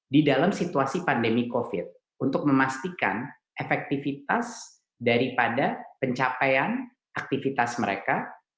di dalam situasi pandemi covid untuk memastikan efektivitas daripada pencapaian aktivitas mereka